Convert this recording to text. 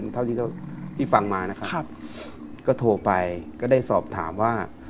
เท่าที่ฟังมานะครับก็โทรไปก็ได้สอบถามว่า